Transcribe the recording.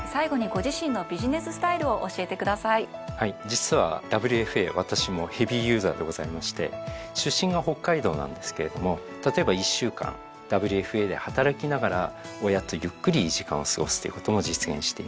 実はＷＦＡ私もヘビーユーザーでございまして出身が北海道なんですけれども例えば１週間ＷＦＡで働きながら親とゆっくり時間を過ごすということも実現しています。